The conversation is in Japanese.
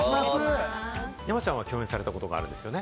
山ちゃんは共演されたこと、あるんですよね？